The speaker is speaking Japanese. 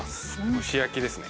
蒸し焼きですね。